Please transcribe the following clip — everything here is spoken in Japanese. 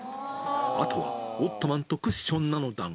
あとはオットマンとクッションなのだが。